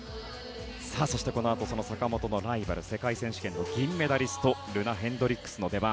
そして、このあと坂本のライバル世界選手権の銀メダリストルナ・ヘンドリックスの出番。